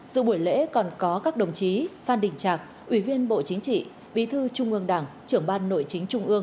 dự buổi lễ còn có các đồng chí phan đình trạc ủy viên bộ chính trị bí thư trung ương đảng trưởng ban nội chính trung ương